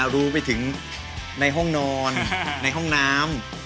รู้ไปถึงในห้องนอนในห้องน้ำ